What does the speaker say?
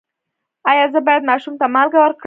ایا زه باید ماشوم ته مالګه ورکړم؟